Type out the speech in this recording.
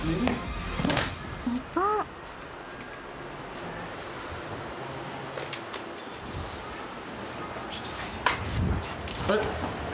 一方あれ？